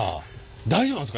大丈夫なんですか？